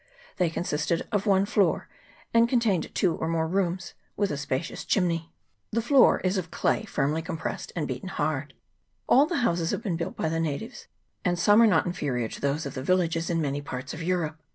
They consisted of one floor, and contained two or more rooms, with a spacious chimney. The floor is of clay firmly 38 TE AWA ITI. [PART i. compressed and beaten hard. All the houses have been built by the natives, and some are not inferior to those of the villages in many parts of Europe.